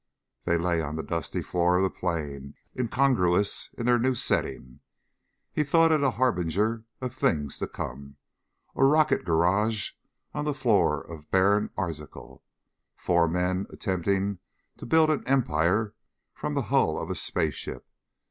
They lay on the dusty floor of the plain, incongruous in their new setting. He thought it a harbinger of things to come. A rocket garage on the floor of barren Arzachel. Four men attempting to build an empire from the hull of a space ship.